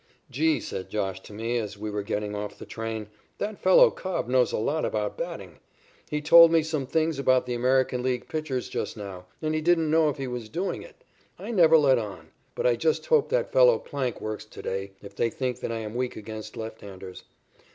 "Gee," said "Josh" to me, as we were getting off the train, "that fellow Cobb knows a lot about batting. He told me some things about the American League pitchers just now, and he didn't know he was doing it. I never let on. But I just hope that fellow Plank works to day, if they think that I am weak against left handers.